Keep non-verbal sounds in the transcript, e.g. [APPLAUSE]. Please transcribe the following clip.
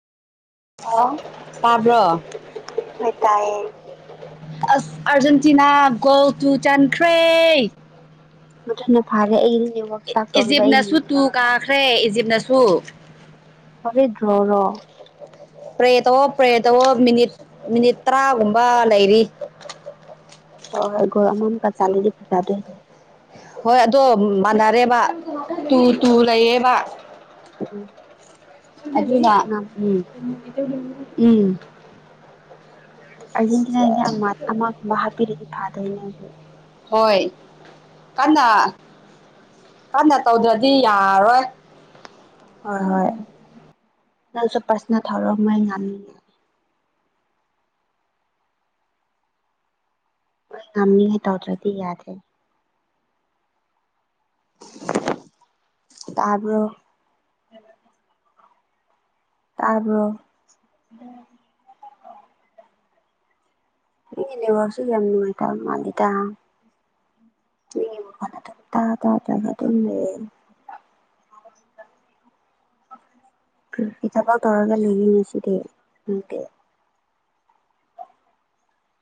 ꯑꯣ ꯇꯥꯕ꯭ꯔꯣ ꯍꯣꯏ ꯇꯥꯏꯌꯦ ꯑꯁ ꯑꯔꯖꯦꯟꯇꯤꯅꯥ ꯒꯣ ꯇꯨ ꯆꯥꯟꯈ꯭ꯔꯦ ꯐꯖꯅ ꯐꯥꯔꯦ ꯑꯩ ꯏ ꯏꯖꯤꯞꯅꯁꯨ ꯌꯦꯡꯒꯦ ꯇꯨ ꯇꯧꯔꯒ ꯀꯥꯈ꯭ꯔꯦ ꯏꯖꯤꯞꯅꯁꯨ ꯐꯔꯦ ꯗꯔꯣ ꯔꯣ ꯄ꯭ꯔꯦ ꯇꯧꯑꯣ ꯄ꯭ꯔꯦ ꯇꯧꯑꯣ ꯃꯤꯅꯤꯠ ꯃꯤꯅꯤꯠ ꯇꯔꯥꯒꯨꯝꯕ ꯂꯩꯔꯤ ꯍꯣꯏ ꯍꯣꯏ ꯒꯣꯜ ꯑꯃꯃꯨꯝꯀ ꯆꯟꯂꯗꯤ ꯐꯖꯗꯄꯏꯅꯤ ꯍꯣꯏ ꯑꯗꯣ ꯃꯥꯟꯅꯔꯦꯕ ꯇꯨ ꯇꯨ ꯂꯩꯌꯦꯕ ꯎꯝ ꯑꯗꯨꯅ ꯎꯝ ꯎꯝ ꯑꯥꯔꯖꯦꯟꯇꯤꯅꯥꯒꯤ ꯑꯃ ꯑꯃꯒꯨꯝꯕ ꯍꯥꯞꯄꯤꯔꯗꯤ ꯐꯗꯨꯏꯅꯦ ꯍꯧꯖꯤꯛ ꯍꯣꯏ ꯀꯟꯅꯥ ꯀꯟꯅ ꯇꯧꯗ꯭ꯔꯗꯤ ꯌꯥꯔꯣꯏ ꯍꯣꯏ ꯍꯣꯏ ꯅꯪꯁꯨ ꯄꯔꯁꯅꯦꯜ ꯊꯔꯛꯑꯣ ꯃꯣꯏ ꯉꯝꯅꯤꯌꯦ ꯍꯣꯏ ꯉꯝꯃꯤꯒꯩ ꯇꯧꯗ꯭ꯔꯗꯤ ꯌꯥꯗ꯭ꯗꯦ ꯇꯕ꯭ꯔꯣ ꯇꯥꯕ꯭ꯔꯣ ꯅꯪꯒꯤ ꯅꯦꯠꯋꯥꯛꯁꯨ ꯌꯥꯝ ꯅꯨꯡꯉꯥꯏꯇꯕ ꯃꯥꯜꯂꯤꯗ [UNINTELLIGIBLE] ꯀꯔꯤ ꯊꯕꯛ ꯇꯧꯔꯒ ꯂꯩꯅꯤ ꯉꯁꯤꯗꯤ